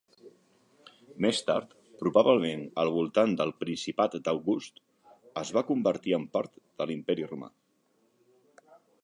Més tard, probablement al voltant del principat d'August, es va convertir en part de l'Imperi Romà.